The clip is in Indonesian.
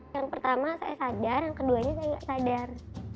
yang pertama saya sadar yang keduanya saya nggak sadar